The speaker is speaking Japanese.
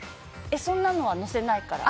そんなのは載せないから。